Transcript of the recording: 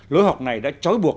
lối học này đã chối buộc